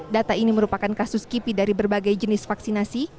data ini merupakan kasus kipi dari berbagai jenis vaksinasi